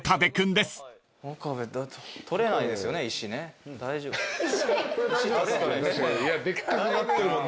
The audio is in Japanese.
でっかくなってるもんね。